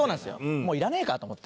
もういらねえかと思って。